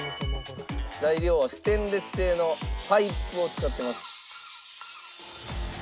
材料はステンレス製のパイプを使っています。